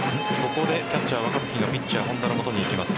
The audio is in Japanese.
ここでキャッチャー・若月がピッチャー・本田の元に行きます。